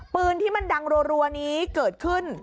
ปืนที่มันดังรัวนี้เกิดขึ้น